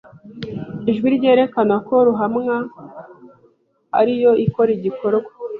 Ijwi ryerekana ko ruhamwa ari yo ikora igikorwa